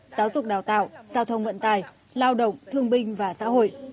giáo dục đào tạo giao thông vận tài lao động thương binh và xã hội